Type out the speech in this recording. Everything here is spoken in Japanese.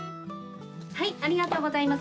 ありがとうございます。